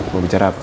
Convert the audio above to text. mau bicara apa